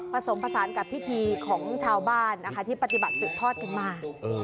ผสมผสานกับพิธีของชาวบ้านนะคะที่ปฏิบัติสืบทอดกันมา